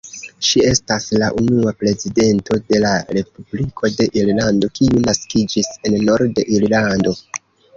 Ŝi estas la unua prezidento de la Respubliko de Irlando kiu naskiĝis en Nord-Irlando.